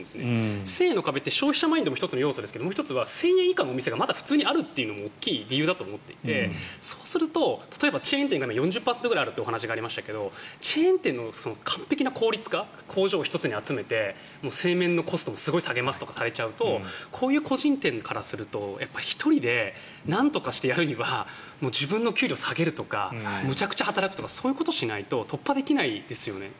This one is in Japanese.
１０００円の壁って消費者マインドも１つの壁ですけど１０００円以下のお店がまだ多いというのも大きい理由だと思っていてそうすると例えば、チェーン店が４０％ぐらいあるという話がありましたが工場を１つに集めて製麺のコストを下げますとかされちゃうとこういう個人店からすると１人でなんとかしてやるには自分の給料を下げるとかむちゃくちゃ働くとかそういうことをしないと突破できないですよね。